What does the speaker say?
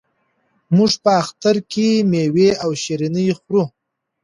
موږ په اختر کې مېوې او شیریني خورو.